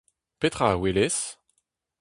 Petra a welez ?